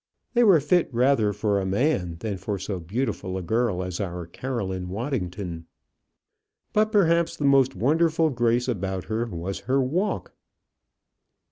They were fit rather for a man than for so beautiful a girl as our Caroline Waddington. But perhaps the most wonderful grace about her was her walk.